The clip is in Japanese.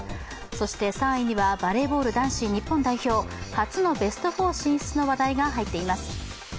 そして３位にはバレーボール男子日本代表初のベスト４進出の話題が入っています。